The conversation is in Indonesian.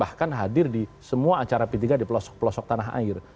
bahkan hadir di semua acara p tiga di pelosok pelosok tanah air